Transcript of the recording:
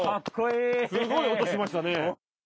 すごい音しましたね。